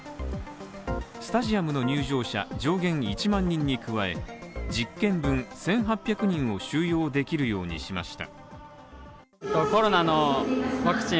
スタジアムの入場者上限１万人に加え、実験分１８００人を収容できるようにしました。